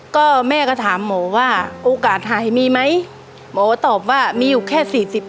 ก็แม่ก็ถามหมอว่าโอกาสหายมีไหมหมอตอบว่ามีอยู่แค่สี่สิบ